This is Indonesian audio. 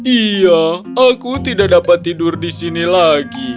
iya aku tidak dapat tidur di sini lagi